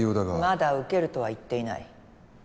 まだ受けるとは言っていない。